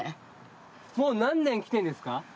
もう何年来てんですか？